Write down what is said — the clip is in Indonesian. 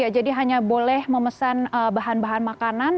jadi hanya boleh memesan bahan bahan makanan